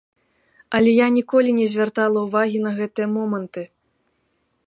Але я ніколі не звяртала ўвагі на гэтыя моманты.